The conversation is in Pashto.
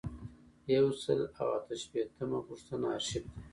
یو سل او اته شپیتمه پوښتنه آرشیف دی.